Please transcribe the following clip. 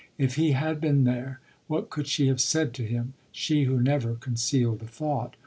If he had been there, what could she have said to him — she who never concealed a thought